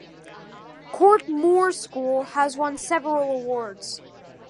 Court Moor School has won several awards.